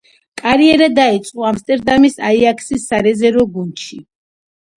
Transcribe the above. კარიერა დაიწყო „ამსტერდამის აიაქსის“ სარეზერვო გუნდში.